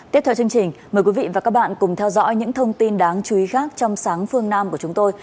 tiếp theo chương trình mời quý vị và các bạn cùng theo dõi những thông tin đáng chú ý khác trong sáng phương nam của chúng tôi